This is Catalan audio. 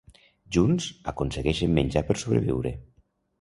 Junts, aconsegueixen menjar per sobreviure.